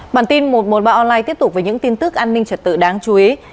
bản tin một trăm một mươi ba online tiếp tục với những tin tức an ninh trật tự đáng chú ý